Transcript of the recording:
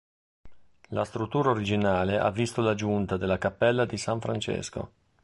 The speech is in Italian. La struttura originale ha visto l'aggiunta della cappella di san Francesco.